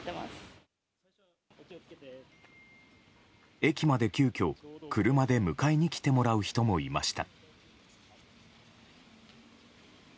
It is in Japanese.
駅まで、急きょ車で迎えに来てもらう人もいました。